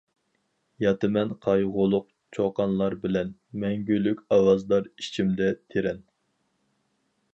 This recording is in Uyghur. ياتىمەن قايغۇلۇق چۇقانلار بىلەن، مەڭگۈلۈك ئاۋازلار ئىچىمدە تېرەن.